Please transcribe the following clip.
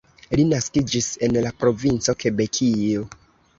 Li naskiĝis en la provinco Kebekio.